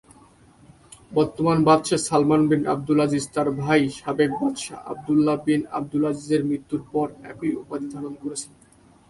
বর্তমান বাদশাহ Salman bin Abdul Aziz তার ভাই সাবেক বাদশাহ আবদুল্লাহ বিন আবদুল আজিজের মৃত্যুর পর একই উপাধি ধারণ করেছেন।